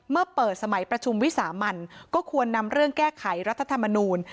เมื่อเปิดสมัยประชุมวิสามันก็ควรนำเรื่องแก้ไขรัฐธรรมนูล